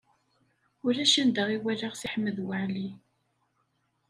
Ulac anda i walaɣ Si Ḥmed Waɛli.